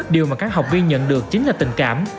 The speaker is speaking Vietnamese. điều mà các học viên nhận được chính là tình cảm